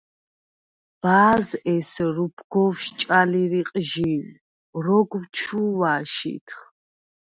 ბა̄ზ’ ესერ უფგოვშ ჭალი რიყჟი̄ნ როგვ ჩუ̄ვ აშიდხ.